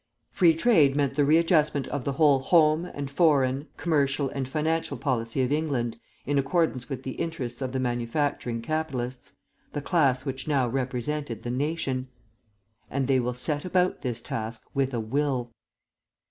Free Trade meant the re adjustment of the whole home and foreign, commercial and financial policy of England in accordance with the interests of the manufacturing capitalists the class which now represented the nation. And they set about this task with a will.